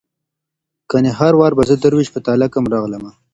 کنې هر وار به زه دروېش په تاله کم راغلمه